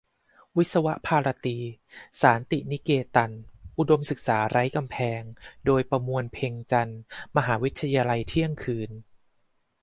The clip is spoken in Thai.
"วิศวภารตี-ศานตินิเกตัน : อุดมศึกษาที่ไร้กำแพง" โดย ประมวล เพ็งจันทร์ มหาวิทยาลัยเที่ยงคืน